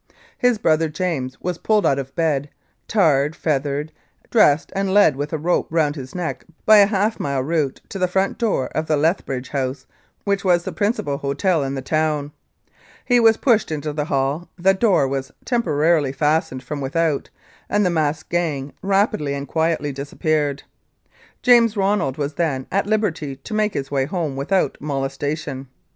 His brother James was pulled out of bed, tarred, feathered, dressed and led with a rope round his neck by a half mile route to the front door of the Lethbridge House which was the principal hotel in the town. He was pushed into the hall, the door was temporarily fastened from with out, and the masked gang rapidly and quietly dispersed. James Ronald was then at liberty to make his way home without molestation.